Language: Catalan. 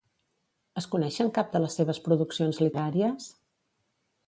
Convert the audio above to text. Es coneixen cap de les seves produccions literàries?